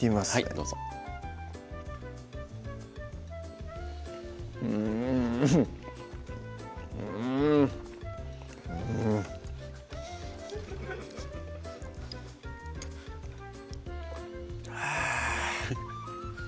どうぞうんうんうんあぁ